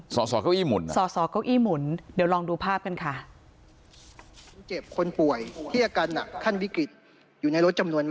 สสเก้าอี้หมุนเดี๋ยวลองดูภาพกันค่ะ